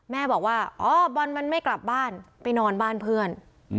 แม่บอกว่าอ๋อบอลมันไม่กลับบ้านไปนอนบ้านเพื่อน